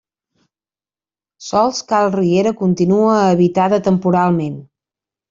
Sols Cal Riera continua habitada temporalment.